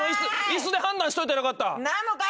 椅子で判断しといたらよかった。